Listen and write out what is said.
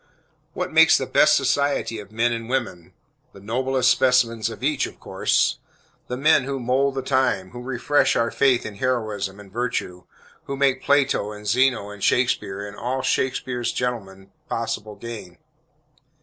What makes the "best society" of men and women? The noblest specimens of each, of course. The men who mould the time, who refresh our faith in heroism and virtue, who make Plato, and Zeno, and Shakespeare, and all Shakespeare's gentlemen, possible again.